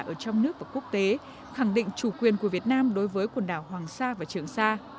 ở trong nước và quốc tế khẳng định chủ quyền của việt nam đối với quần đảo hoàng sa và trường sa